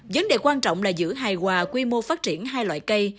vấn đề quan trọng là giữ hài hòa quy mô phát triển hai loại cây